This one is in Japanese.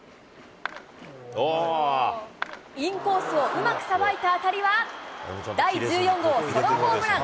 インコースをうまくさばいた当たりは、第１４号ソロホームラン。